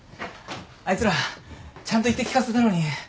あいつらちゃんと言って聞かせたのに。